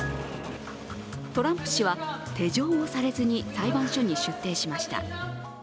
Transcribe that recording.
トランプ氏は手錠をされずに裁判所に出廷しました。